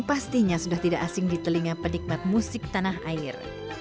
pastinya sudah tidak asing di telinga penikmat musik tanah air